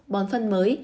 bón phân mới